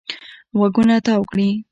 غوږونه تاو کړي.